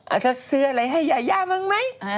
อาจจะซื้ออะไรให้ยายาบังมั้ย